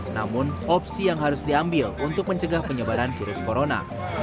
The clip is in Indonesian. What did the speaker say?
namun opsi yang harus diambil untuk mencegah penyebaran virus corona